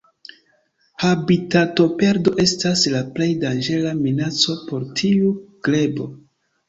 Habitatoperdo estas la plej danĝera minaco por tiu grebo.